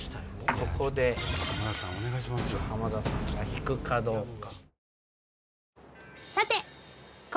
ここで浜田さんが引くかどうか。